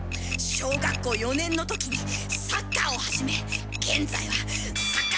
小学校４年のときにサッカーを始め現在はサッカー。